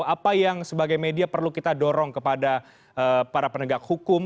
apa yang sebagai media perlu kita dorong kepada para penegak hukum